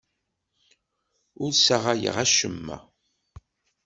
Ur ssaɣayeɣ acemma.